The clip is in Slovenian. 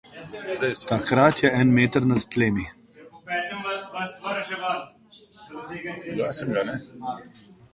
Takrat je en meter nad tlemi.